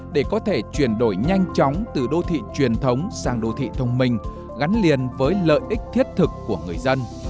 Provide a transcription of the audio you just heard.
để có thể chuyển đổi nhanh chóng từ đô thị truyền thống sang đô thị thông minh gắn liền với lợi ích thiết thực của người dân